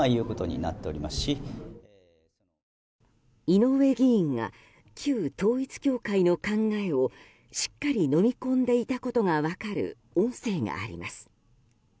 井上議員が旧統一教会の考えをしっかりのみ込んでいたことが分かる音声があります。